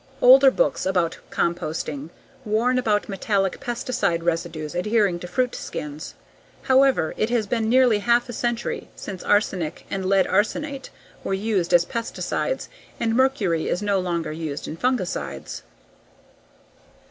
Older books about composting warn about metallic pesticide residues adhering to fruit skins. However, it has been nearly half a century since arsenic and lead arsenate were used as pesticides and mercury is no longer used in fungicides.